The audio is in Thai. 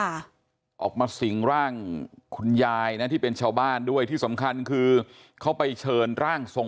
ค่ะออกมาสิ่งร่างคุณยายนะที่เป็นชาวบ้านด้วยที่สำคัญคือเขาไปเชิญร่างทรง